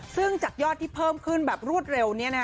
ซึ่งจากยอดที่เพิ่มขึ้นแบบรวดเร็ว